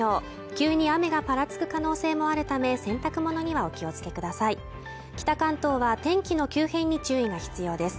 急に雨がぱらつく可能性もあるため洗濯物にはお気をつけください北関東は天気の急変に注意が必要です